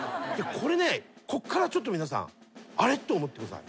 これねこっからちょっと皆さん「あれ？」と思ってください。